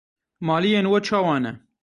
Maliyên we çawa ne?